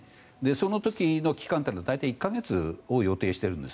その時の期間というのは大体１か月を予定しているんです。